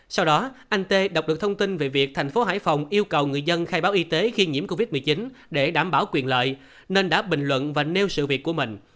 sau đó anh tê đọc được thông tin về việc thành phố hải phòng yêu cầu người dân khai báo y tế khi nhiễm covid một mươi chín để đảm bảo quyền lợi nên đã bình luận và nêu sự việc của mình